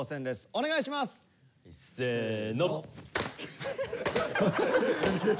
お願いします！せの。